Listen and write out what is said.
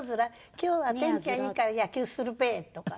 今日は天気がいいから野球するべえ」とか。